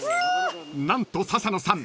［何と笹野さん